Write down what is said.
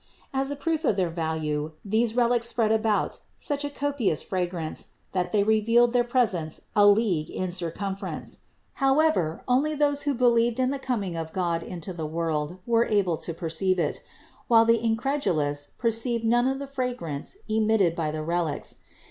As a proof of their value these relics spread about such a copious fragrance that they revealed their presence a league in circumference. However, only those who believed in the coming of God into the world were able to perceive it ; while the incredulous perceived none of the fragrance emitted by the relics.